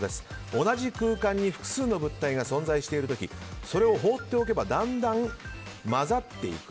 同じ空間に複数の物体が存在している時それを放っておけばだんだん混ざっていく。